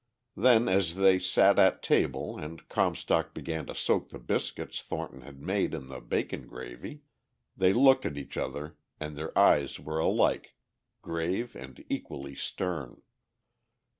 Then as they sat at table and Comstock began to soak the biscuits Thornton had made in the bacon gravy, they looked at each other, and their eyes were alike grave and equally stern.